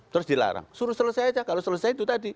terus dilarang suruh selesai aja kalau selesai itu tadi